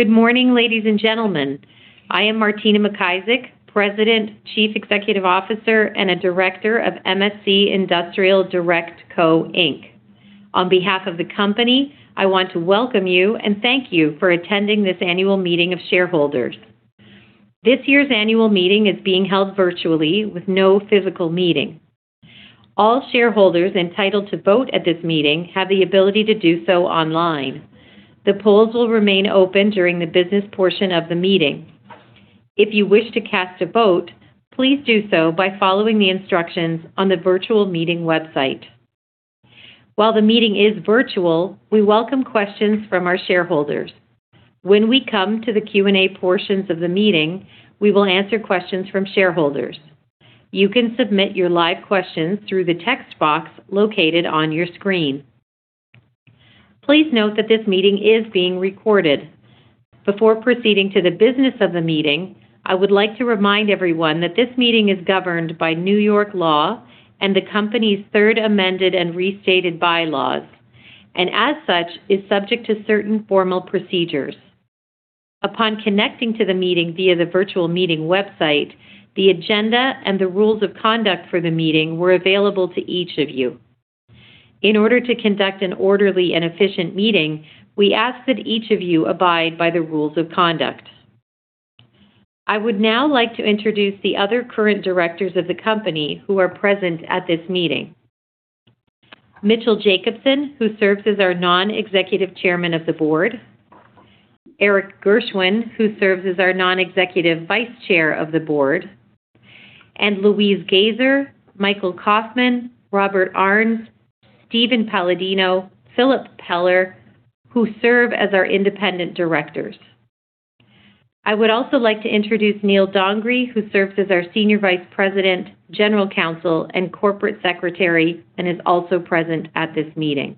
Good morning, ladies and gentlemen. I am Martina McIsaac, President, Chief Executive Officer, and a Director of MSC Industrial Direct Co., Inc. On behalf of the company, I want to welcome you and thank you for attending this annual meeting of shareholders. This year's annual meeting is being held virtually, with no physical meeting. All shareholders entitled to vote at this meeting have the ability to do so online. The polls will remain open during the business portion of the meeting. If you wish to cast a vote, please do so by following the instructions on the virtual meeting website. While the meeting is virtual, we welcome questions from our shareholders. When we come to the Q&A portions of the meeting, we will answer questions from shareholders. You can submit your live questions through the text box located on your screen. Please note that this meeting is being recorded. Before proceeding to the business of the meeting, I would like to remind everyone that this meeting is governed by New York law and the company's Third Amended and Restated bylaws, and as such, is subject to certain formal procedures. Upon connecting to the meeting via the virtual meeting website, the agenda and the rules of conduct for the meeting were available to each of you. In order to conduct an orderly and efficient meeting, we ask that each of you abide by the rules of conduct. I would now like to introduce the other current directors of the company who are present at this meeting: Mitchell Jacobson, who serves as our Non-Executive Chairman of the Board, Erik Gershwind, who serves as our Non-Executive Vice Chair of the Board, and Louise Goeser, Michael Kaufman, Robert Arns, Steven Paladino, and Philip Peller, who serve as our independent directors. I would also like to introduce Neal Dongre, who serves as our Senior Vice President, General Counsel, and Corporate Secretary, and is also present at this meeting.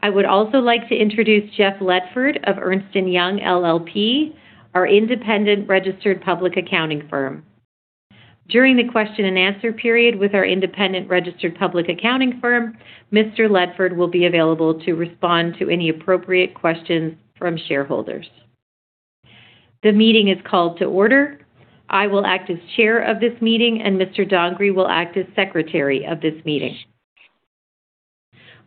I would also like to introduce Jeff Ledford of Ernst & Young LLP, our independent registered public accounting firm. During the question and answer period with our independent registered public accounting firm, Mr. Ledford will be available to respond to any appropriate questions from shareholders. The meeting is called to order. I will act as chair of this meeting, and Mr. Dongre will act as secretary of this meeting.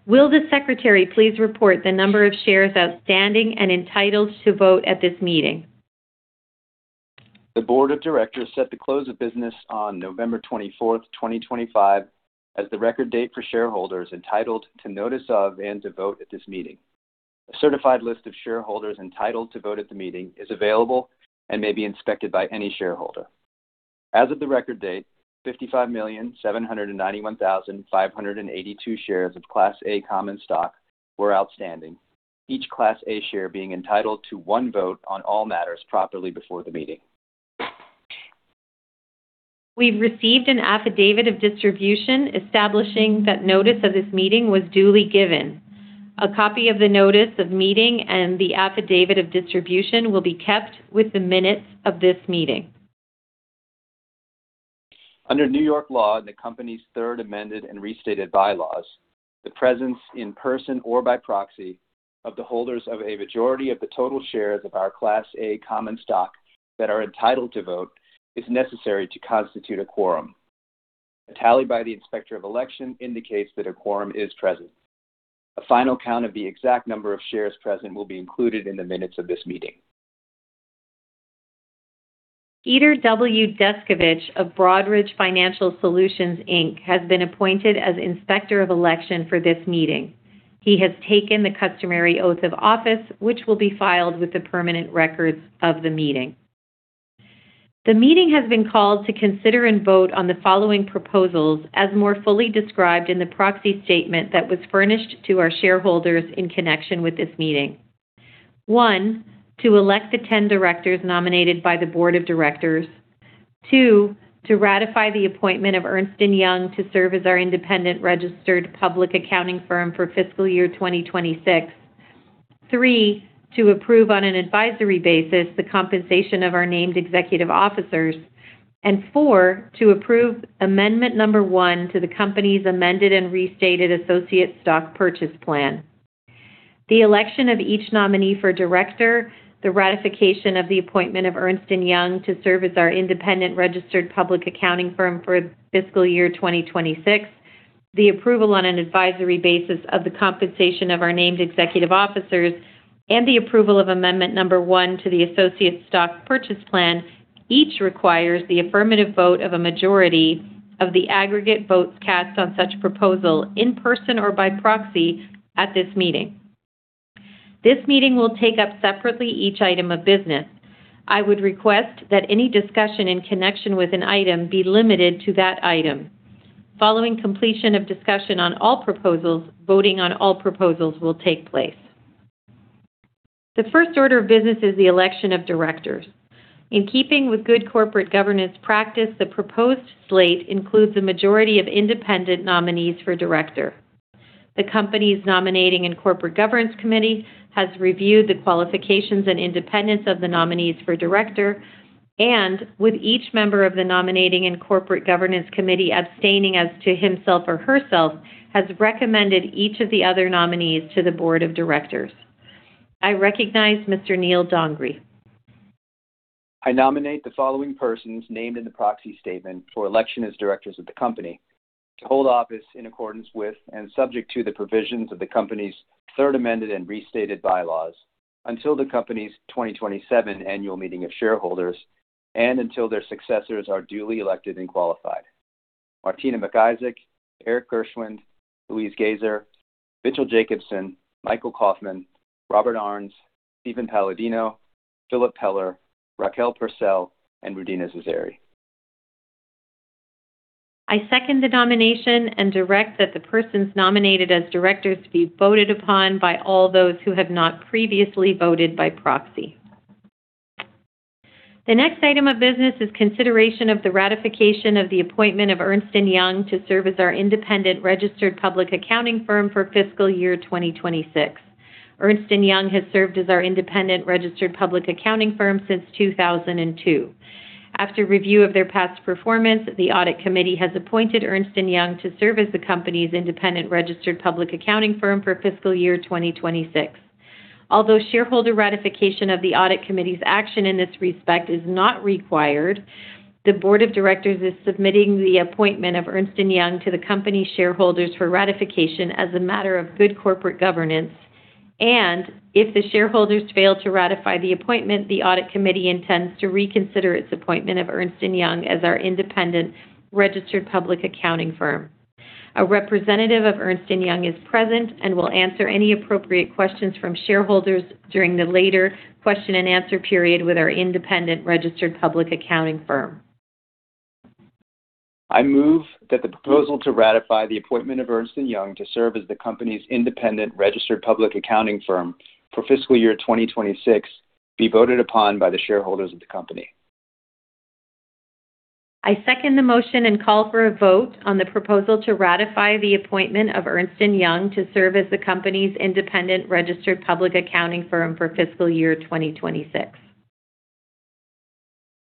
Will the secretary please report the number of shares outstanding and entitled to vote at this meeting? The Board of Directors set the close of business on November 24, 2025, as the record date for shareholders entitled to notice of and to vote at this meeting. A certified list of shareholders entitled to vote at the meeting is available and may be inspected by any shareholder. As of the record date, 55,791,582 shares of Class A common stock were outstanding, each Class A share being entitled to one vote on all matters properly before the meeting. We've received an affidavit of distribution establishing that notice of this meeting was duly given. A copy of the notice of meeting and the affidavit of distribution will be kept with the minutes of this meeting. Under New York law and the company's Third Amended and Restated bylaws, the presence in person or by proxy of the holders of a majority of the total shares of our Class A common stock that are entitled to vote is necessary to constitute a quorum. A tally by the inspector of election indicates that a quorum is present. A final count of the exact number of shares present will be included in the minutes of this meeting. Peter W. Descovich of Broadridge Financial Solutions, Inc, has been appointed as inspector of election for this meeting. He has taken the customary oath of office, which will be filed with the permanent records of the meeting. The meeting has been called to consider and vote on the following proposals, as more fully described in the proxy statement that was furnished to our shareholders in connection with this meeting: one, to elect the 10 directors nominated by the Board of Directors; two, to ratify the appointment of Ernst & Young to serve as our independent registered public accounting firm for fiscal year 2026; three, to approve on an advisory basis the compensation of our named executive officers; and four, to approve amendment number one to the company's Amended and Restated Associate Stock Purchase Plan. The election of each nominee for director, the ratification of the appointment of Ernst & Young to serve as our independent registered public accounting firm for fiscal year 2026, the approval on an advisory basis of the compensation of our named executive officers, and the approval of amendment number one to the Associate Stock Purchase Plan each requires the affirmative vote of a majority of the aggregate votes cast on such proposal in person or by proxy at this meeting. This meeting will take up separately each item of business. I would request that any discussion in connection with an item be limited to that item. Following completion of discussion on all proposals, voting on all proposals will take place. The first order of business is the election of directors. In keeping with good corporate governance practice, the proposed slate includes a majority of independent nominees for director. The company's Nominating and Corporate Governance Committee has reviewed the qualifications and independence of the nominees for director, and with each member of the Nominating and Corporate Governance Committee abstaining as to himself or herself, has recommended each of the other nominees to the Board of Directors. I recognize Mr. Neal Dongre. I nominate the following persons named in the proxy statement for election as directors of the company to hold office in accordance with and subject to the provisions of the company's Third Amended and Restated bylaws until the company's 2027 annual meeting of shareholders and until their successors are duly elected and qualified: Martina McIsaac, Erik Gershwind, Louise Goeser, Mitchell Jacobson, Michael Kaufman, Robert Arns, Steven Paladino, Philip Peller, Raquel Purcell, and Rudina Seseri. I second the nomination and direct that the persons nominated as directors be voted upon by all those who have not previously voted by proxy. The next item of business is consideration of the ratification of the appointment of Ernst & Young to serve as our independent registered public accounting firm for fiscal year 2026. Ernst & Young has served as our independent registered public accounting firm since 2002. After review of their past performance, the Audit Committee has appointed Ernst & Young to serve as the company's independent registered public accounting firm for fiscal year 2026. Although shareholder ratification of the Audit Committee's action in this respect is not required, the Board of Directors is submitting the appointment of Ernst & Young to the company shareholders for ratification as a matter of good corporate governance, and if the shareholders fail to ratify the appointment, the Audit Committee intends to reconsider its appointment of Ernst & Young as our independent registered public accounting firm. A representative of Ernst & Young is present and will answer any appropriate questions from shareholders during the later question and answer period with our independent registered public accounting firm. I move that the proposal to ratify the appointment of Ernst & Young to serve as the company's independent registered public accounting firm for fiscal year 2026 be voted upon by the shareholders of the company. I second the motion and call for a vote on the proposal to ratify the appointment of Ernst & Young to serve as the company's independent registered public accounting firm for fiscal year 2026.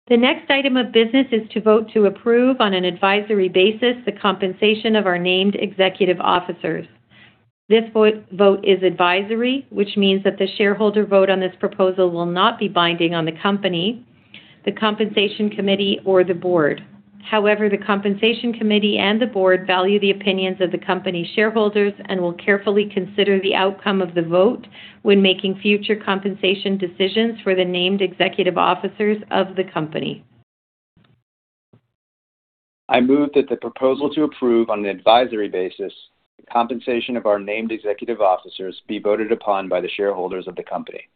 The next item of business is to vote to approve on an advisory basis the compensation of our named executive officers. This vote is advisory, which means that the shareholder vote on this proposal will not be binding on the company, the Compensation Committee, or the Board. However, the Compensation Committee and the Board value the opinions of the company shareholders and will carefully consider the outcome of the vote when making future compensation decisions for the named executive officers of the company. I move that the proposal to approve on an advisory basis the compensation of our named executive officers be voted upon by the shareholders of the company.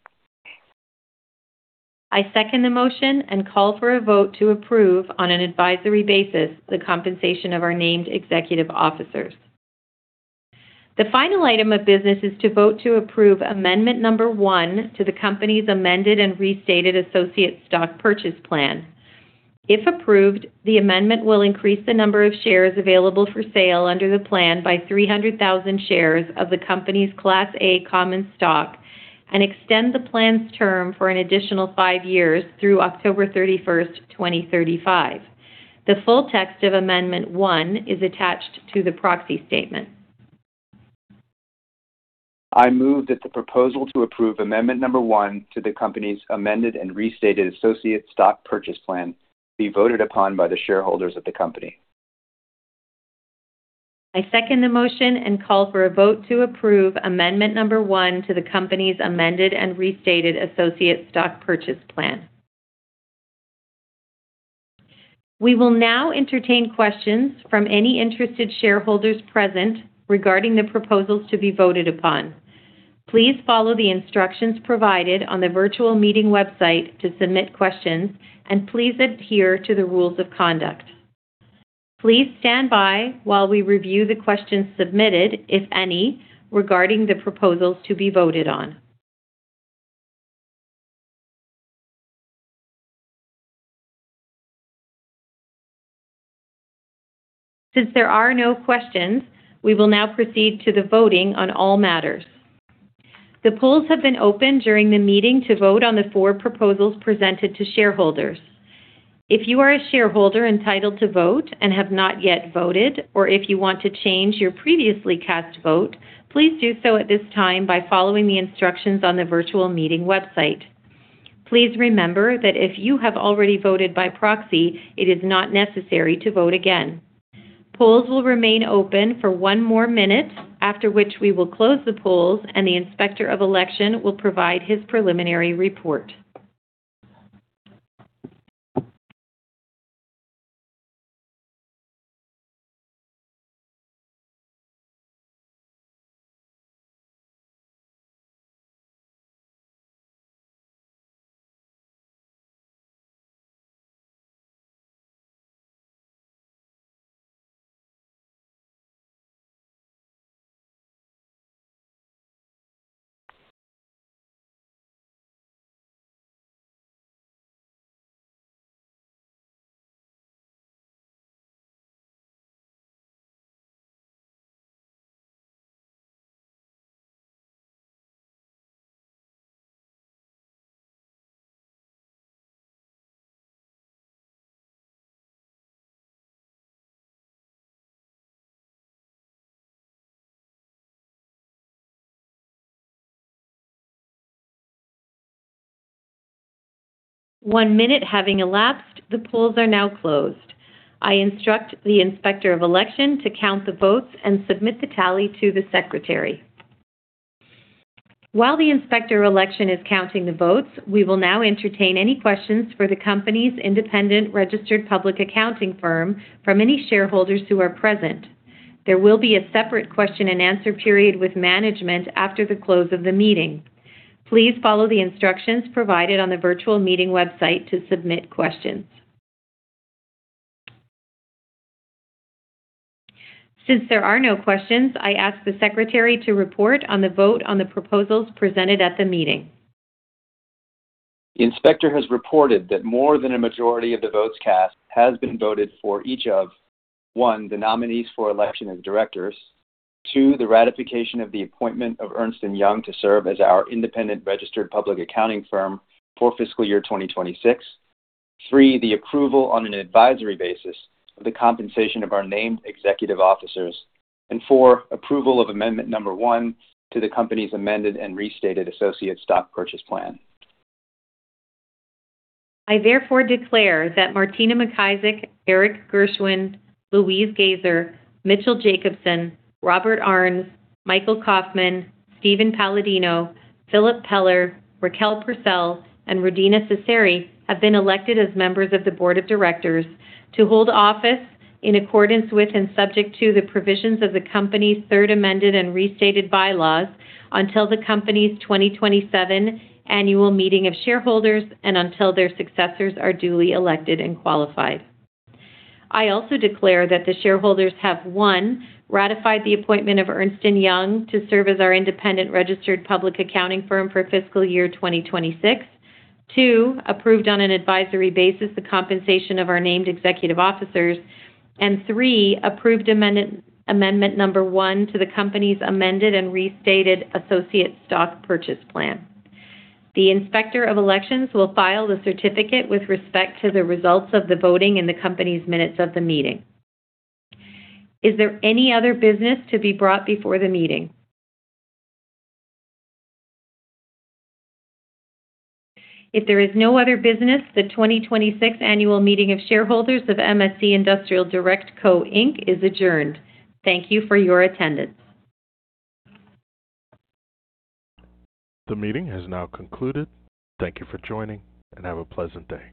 I second the motion and call for a vote to approve on an advisory basis the compensation of our named executive officers. The final item of business is to vote to approve amendment number one to the company's Amended and Restated Associate Stock Purchase Plan. If approved, the amendment will increase the number of shares available for sale under the plan by 300,000 shares of the company's Class A common stock and extend the plan's term for an additional five years through October 31, 2035. The full text of amendment one is attached to the proxy statement. I move that the proposal to approve amendment number one to the company's Amended and Restated Associate Stock Purchase Plan be voted upon by the shareholders of the company. I second the motion and call for a vote to approve amendment number one to the company's Amended and Restated Associate Stock Purchase Plan. We will now entertain questions from any interested shareholders present regarding the proposals to be voted upon. Please follow the instructions provided on the virtual meeting website to submit questions, and please adhere to the rules of conduct. Please stand by while we review the questions submitted, if any, regarding the proposals to be voted on. Since there are no questions, we will now proceed to the voting on all matters. The polls have been opened during the meeting to vote on the four proposals presented to shareholders. If you are a shareholder entitled to vote and have not yet voted, or if you want to change your previously cast vote, please do so at this time by following the instructions on the virtual meeting website. Please remember that if you have already voted by proxy, it is not necessary to vote again. Polls will remain open for one more minute, after which we will close the polls, and the inspector of election will provide his preliminary report. One minute having elapsed, the polls are now closed. I instruct the inspector of election to count the votes and submit the tally to the secretary. While the inspector of election is counting the votes, we will now entertain any questions for the company's independent registered public accounting firm from any shareholders who are present. There will be a separate question and answer period with management after the close of the meeting. Please follow the instructions provided on the virtual meeting website to submit questions. Since there are no questions, I ask the secretary to report on the vote on the proposals presented at the meeting. The inspector has reported that more than a majority of the votes cast has been voted for each of: one, the nominees for election as directors, two, the ratification of the appointment of Ernst & Young to serve as our independent registered public accounting firm for fiscal year 2026, three, the approval on an advisory basis of the compensation of our named executive officers, and four, approval of amendment number one to the company's Amended and Restated Associate Stock Purchase Plan. I therefore declare that Martina McIsaac, Erik Gershwind, Louise Goeser, Mitchell Jacobson, Robert Arns, Michael Kaufman, Steven Paladino, Philip Peller, Raquel Purcell, and Rudina Seseri have been elected as members of the Board of Directors to hold office in accordance with and subject to the provisions of the company's Third Amended and Restated bylaws until the company's 2027 annual meeting of shareholders and until their successors are duly elected and qualified. I also declare that the shareholders have: one, ratified the appointment of Ernst & Young to serve as our independent registered public accounting firm for fiscal year 2026. Two, approved on an advisory basis the compensation of our named executive officers. And three, approved amendment number one to the company's Amended and Restated Associate Stock Purchase Plan. The inspector of elections will file the certificate with respect to the results of the voting in the company's minutes of the meeting. Is there any other business to be brought before the meeting? If there is no other business, the 2026 annual meeting of shareholders of MSC Industrial Direct Co., Inc is adjourned. Thank you for your attendance. The meeting has now concluded. Thank you for joining, and have a pleasant day.